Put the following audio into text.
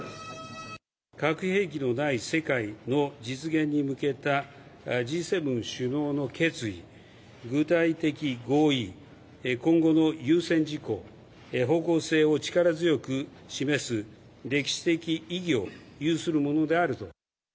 核兵器のない世界の実現に向けたＧ７首脳の決意、具体的合意、今後の優先事項、方向性を力強く示す歴史的意義を有するものであると。